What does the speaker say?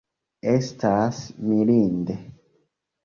Estas mirinde!